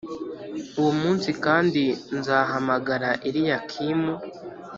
Uwo munsi kandi, nzahamagara Eliyakimu,